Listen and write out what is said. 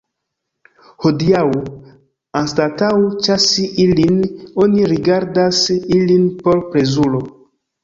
Hodiaŭ, anstataŭ ĉasi ilin, oni rigardas ilin por plezuro.